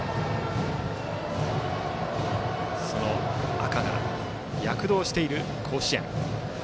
赤が躍動している甲子園。